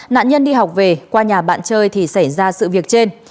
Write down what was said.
nạn nhân đi học về qua nhà bạn chơi thì xảy ra sự việc trên